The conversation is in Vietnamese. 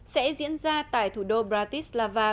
sẽ diễn ra tại thủ đô bratislava